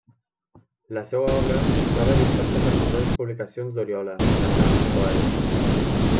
La seua obra es troba dispersa per nombroses publicacions d'Oriola, Alacant o Elx.